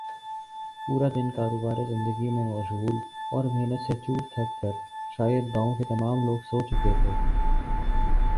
پورا دن کاروبار زندگی میں مشغول اور محنت سے چور تھک کر شاید گاؤں کے تمام لوگ سو چکے تھے